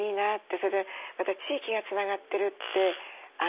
それでまた地域がつながってるって安心。